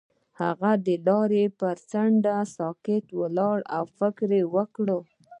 هغه د لاره پر څنډه ساکت ولاړ او فکر وکړ.